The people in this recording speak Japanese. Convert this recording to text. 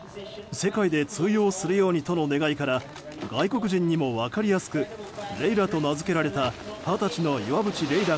世界で通用するようにとの願いから外国人にも分かりやすくレイラと名付けられた二十歳の岩渕麗